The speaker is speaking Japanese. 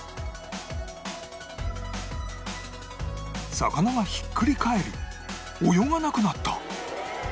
魚がひっくり返り泳がなくなった